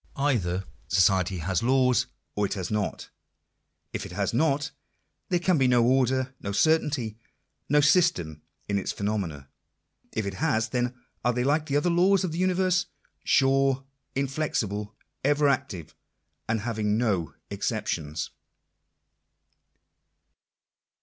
Either society has laws, or it has not. If it has not, there can be no order, lno certainty, no system in its phenomena. If it has, then are Jthey like the other laws of the universe — sure, inflexible, ever (active, and having no exceptions.